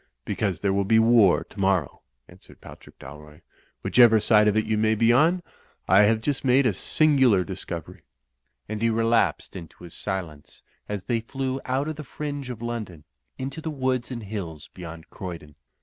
"Because there will be war tomorrow," answered Patrick Dalroy, "whichever side of it you may be on. I have just made a singular discovery." And he relapsed into his silence as they flew out of the fringe of London into the woods and hills beyond Croydon.